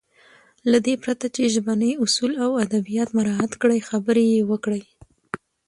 له دې پرته چې ژبني اصول او ادبيات مراعت کړي خبرې يې وکړې.